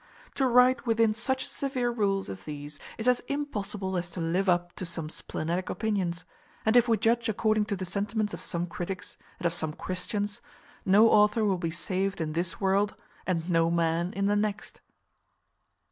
To write within such severe rules as these is as impossible as to live up to some splenetic opinions: and if we judge according to the sentiments of some critics, and of some Christians, no author will be saved in this world, and no man in the next.